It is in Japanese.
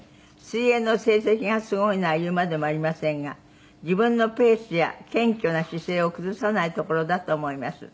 「水泳の成績がすごいのは言うまでもありませんが自分のペースや謙虚な姿勢を崩さないところだと思います」